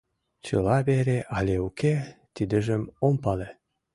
Чыла вере але уке, тидыжым ом пале.